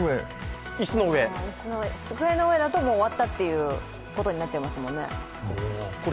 机の上だともう終わったってことになっちゃいますもんね